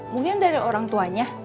mungkin dari orang tuanya